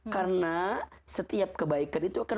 karena setiap kebaikan itu akan